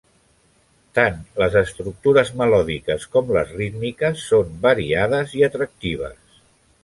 Tant les estructures melòdiques com les rítmiques són variades i atractives.